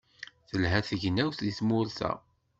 Telha tegnewt di tmurt-a.